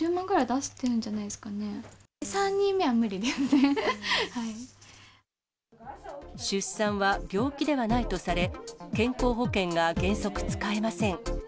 出産は病気ではないとされ、健康保険が原則使えません。